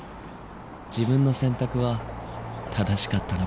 自分の選択は正しかったのかどうか